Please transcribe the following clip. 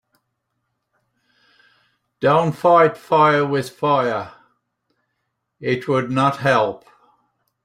Don‘t fight fire with fire, it would not help.